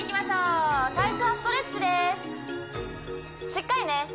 しっかりね